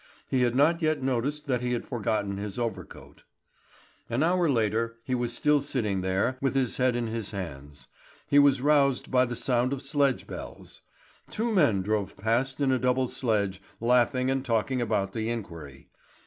He had not yet noticed that he had forgotten his overcoat. An hour later he was still sitting there, with his head in his hands. He was roused by the sound of sledge bells. Two men drove past in a double sledge, laughing and talking about the inquiry.